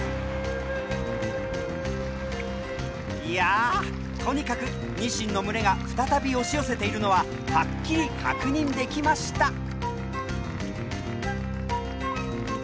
いやとにかくニシンの群れが再び押し寄せているのははっきり確認できました。